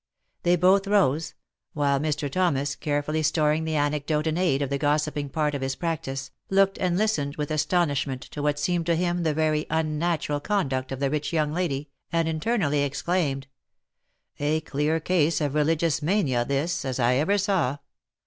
They both rose ; while Mr. Thomas, carefully storing the anecdote in aid of the gossiping part of his practice, looked and listened with astonishment to what seemed to him the very unnatural conduct of the rich young lady, and internally exclaimed, " A clear case of religious mania this, as I ever saw